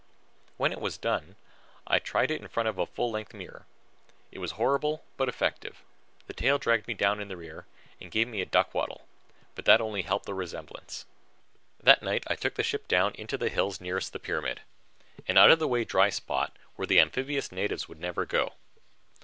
When it was done, I tried it on in front of a full length mirror. It was horrible but effective. The tail dragged me down in the rear and gave me a duck waddle, but that only helped the resemblance. That night I took the ship down into the hills nearest the pyramid, an out of the way dry spot where the amphibious natives would never go.